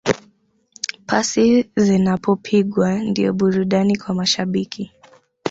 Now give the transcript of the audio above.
Pasi zinapopigwa ndiyo burudani kwa mashabiki